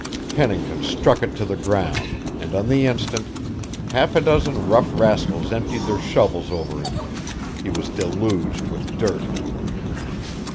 Pennington struck it to the ground, and on the instant, half a dozen rough rascals emptied their shovels over him. He was deluged with dirt.